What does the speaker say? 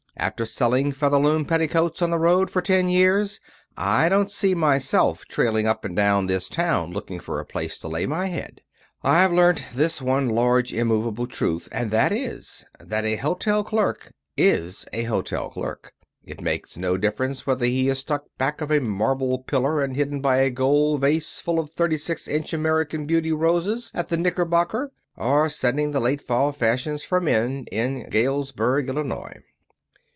After selling Featherloom Petticoats on the road for ten years I don't see myself trailing up and down this town looking for a place to lay my head. I've learned this one large, immovable truth, and that is, that a hotel clerk is a hotel clerk. It makes no difference whether he is stuck back of a marble pillar and hidden by a gold vase full of thirty six inch American Beauty roses at the Knickerbocker, or setting the late fall fashions for men in Galesburg, Illinois."